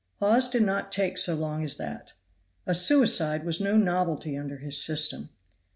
Hawes did not take so long as that. A suicide was no novelty under his system.